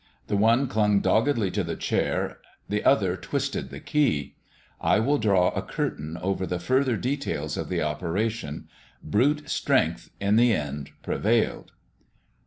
The one clung doggedly to the chair, the other twisted the key. I will draw a curtain over the further details of the operation. Brute strength in the end prevailed.